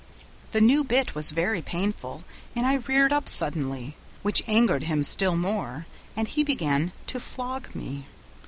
The new bit was very painful, and I reared up suddenly, which angered him still more, and he began to flog me.